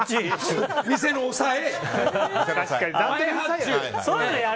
店の押さえ。